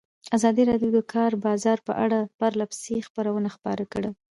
ازادي راډیو د د کار بازار په اړه پرله پسې خبرونه خپاره کړي.